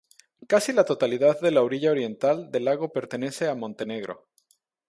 Casi la totalidad de la orilla oriental del lago pertenece a Montenegro.